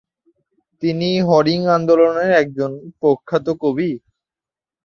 তিনি হাংরি আন্দোলনের একজন প্রখ্যাত কবি।